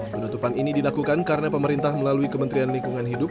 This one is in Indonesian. penutupan ini dilakukan karena pemerintah melalui kementerian lingkungan hidup